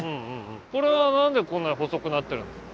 これは何でこんなに細くなってるんですか？